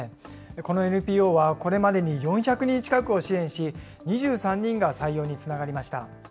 このＮＰＯは、これまでに４００人近くを支援し、２３人が採用につながりました。